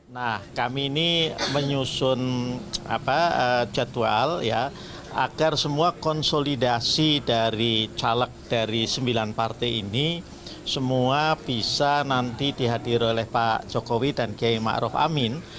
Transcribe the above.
nah kami ini menyusun jadwal ya agar semua konsolidasi dari caleg dari sembilan partai ini semua bisa nanti dihadiri oleh pak jokowi dan kiai ⁇ maruf ⁇ amin